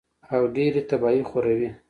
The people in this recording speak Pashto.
او ډېرې تباهۍ خوروي